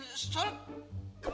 soal kemarin gue bawa